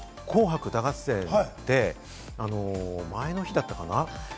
ＮＨＫの『紅白歌合戦』で前の日だったかな？